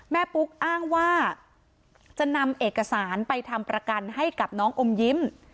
ปุ๊กอ้างว่าจะนำเอกสารไปทำประกันให้กับน้องอมยิ้ม